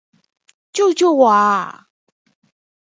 救救我啊！